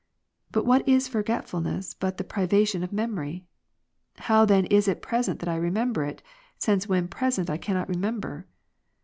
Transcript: But what is forgetfulness, but the privation of memory ? How then is it present that I remember it, since when present I cannot remember